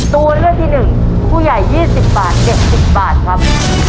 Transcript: ตัวเลือกที่หนึ่งผู้ใหญ่ยี่สิบบาทเด็กสิบบาทครับ